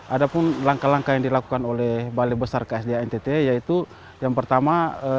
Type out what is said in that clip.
ada pun langkah langkah yang dilakukan oleh balai besar ksda ntt yaitu yang pertama